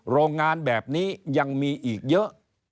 โรงงานแบบนี้ยังมีอีกเยอะ